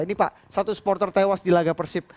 ini pak satu supporter tewas di laga persib